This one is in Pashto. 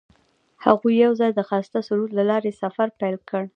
هغوی یوځای د ښایسته سرود له لارې سفر پیل کړ.